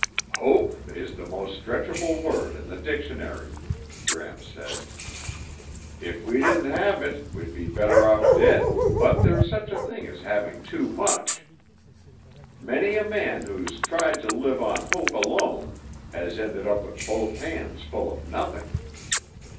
"Hope is the most stretchable word in the dictionary," Gramps said. "If we didn't have it we'd be better off dead but there's such a thing as having too much. Many a man who's tried to live on hope alone has ended up with both hands full of nothing.